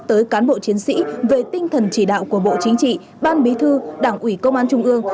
tới cán bộ chiến sĩ về tinh thần chỉ đạo của bộ chính trị ban bí thư đảng ủy công an trung ương